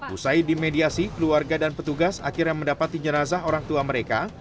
usai dimediasi keluarga dan petugas akhirnya mendapati jenazah orang tua mereka